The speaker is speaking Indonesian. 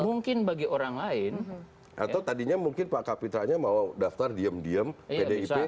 mungkin bagi orang lain atau tadinya mungkin pak kapitranya mau daftar diem diem pdip